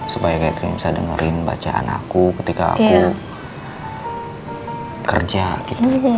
supaya kayak kita bisa dengerin bacaan aku ketika aku kerja gitu